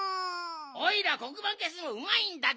おいらこくばんけすのうまいんだぞ！